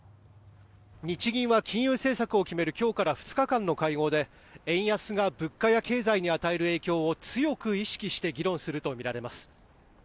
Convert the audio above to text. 日銀は金融政策を決める今日から２日間の会合で円安が物価や経済に与える影響を強く意識して議論するとみられます。